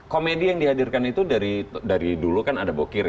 komedi yang dihadirkan itu dari dulu kan ada bokir